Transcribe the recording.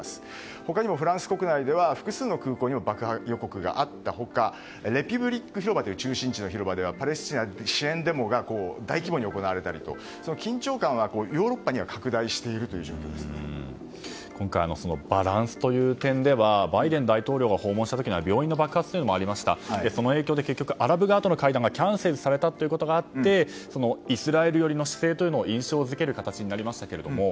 他にも、フランス国内では複数の空港にも爆破予告があった他レピュブリック広場という中心広場ではパレスチナの支援デモが大規模に行われたりと、緊張感がヨーロッパに今回、バランスという点ではバイデン大統領が訪問した時には病院の爆発もありその影響でアラブ側との会談がキャンセルされたということがあってイスラエル寄りの姿勢を印象付ける形になりましたけれども。